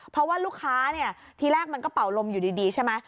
เพราะว่าลูกค้าเนี่ยทีแรกมันก็เป่าลมอยู่ดีใช่ไหม